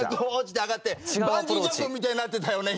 バンジージャンプみたいになってたよね